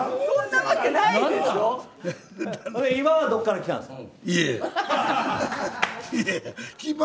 今はどこから来たんですか。